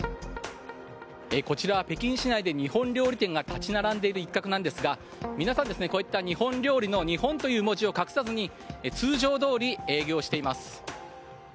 こちら北京市内で日本料理店が立ち並んでいる一角なんですが皆さん、日本料理の「日本」という文字を隠さずに通常どおり営業しています。